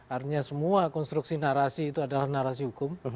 artinya semua konstruksi narasi itu adalah narasi hukum